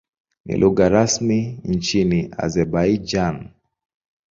Ni lugha rasmi nchini Azerbaijan.